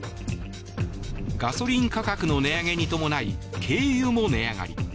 ガソリン価格の値上げに伴い軽油も値上がり。